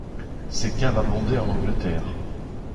Ces caves abondaient en Angleterre.